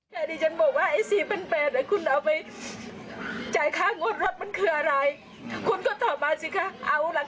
คุณก็ตอบมาสิคะเอาหลักฐานมาให้ดูเราไม่ได้ไปทำอะไรคุณเลย